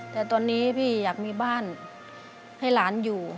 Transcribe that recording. แต่ตอนนี้พี่อยากมีบ้านให้หลานอยู่